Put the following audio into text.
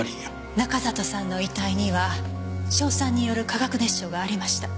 中里さんの遺体には硝酸による化学熱傷がありました。